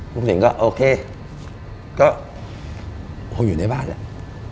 ลุงสิงก็โอเคก็อยู่ในบ้านแล้ว